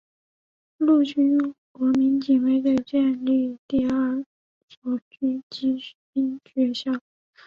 陆军国民警卫队建立第二所狙击兵学校。